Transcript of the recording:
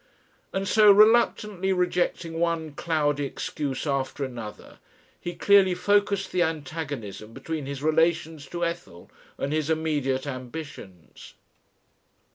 And so, reluctantly rejecting one cloudy excuse after another, he clearly focussed the antagonism between his relations to Ethel and his immediate ambitions.